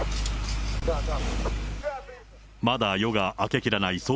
まだ夜が明けきらない